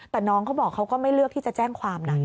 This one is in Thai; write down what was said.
แต่น้องเขาบอกเขาก็ไม่เลือกที่จะแจ้งความนะ